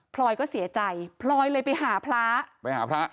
ลอยก็เสียใจพลอยเลยไปหาพระไปหาพระ